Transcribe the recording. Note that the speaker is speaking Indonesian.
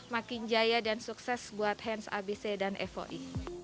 makin jaya dan sukses buat hands abc dan foi